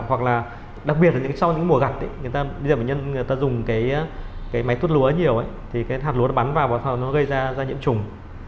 hoặc là đặc biệt là sau những mùa gặp bệnh nhân dùng máy tuốt lúa nhiều thì hạt lúa bắn vào và nó gây ra nhiễm trùng